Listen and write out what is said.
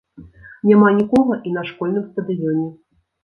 Няма нікога і на школьным стадыёне.